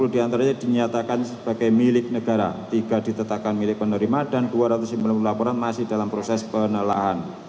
sembilan ratus tiga puluh diantaranya dinyatakan sebagai milik negara tiga ditetapkan milik penerima dan dua ratus sembilan puluh laporan masih dalam proses penelaahan